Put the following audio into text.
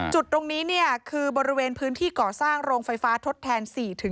จุดตรงนี้คือบริเวณพื้นที่ก่อสร้างโรงไฟฟ้าทดแทน๔๕